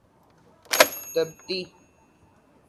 تبتی